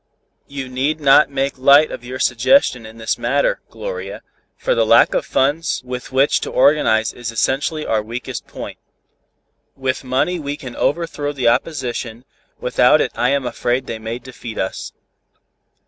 "You need not make light of your suggestion in this matter, Gloria, for the lack of funds with which to organize is essentially our weakest point. With money we can overthrow the opposition, without it I am afraid they may defeat us.